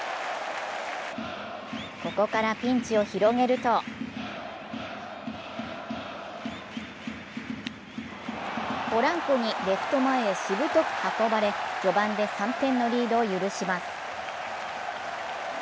ここからピンチを広げるとポランコにレフト前へしぶとく運ばれ、序盤で３点のリードを許します。